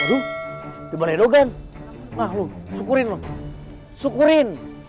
aduh aduh frente dogan nah lo sukurin sukurin